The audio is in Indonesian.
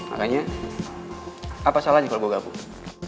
akhirnya apa salahnya kalo gue gak butuh